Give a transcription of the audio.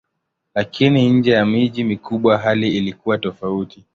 Lakini nje ya miji mikubwa hali ilikuwa tofauti.